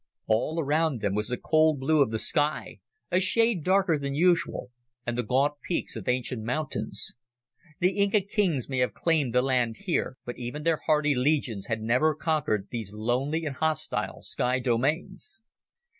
All around them was the cold blue of the sky a shade darker than usual and the gaunt peaks of ancient mountains. The Inca kings may have claimed the land here, but even their hardy legions had never conquered these lonely and hostile sky domains.